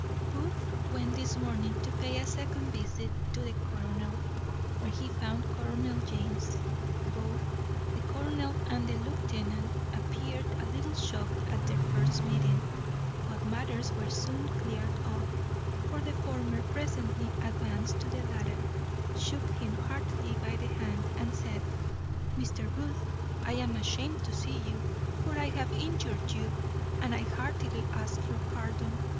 _ Booth went this morning to pay a second visit to the colonel, where he found Colonel James. Both the colonel and the lieutenant appeared a little shocked at their first meeting, but matters were soon cleared up; for the former presently advanced to the latter, shook him heartily by the hand, and said, "Mr. Booth, I am ashamed to see you; for I have injured you, and I heartily ask your pardon.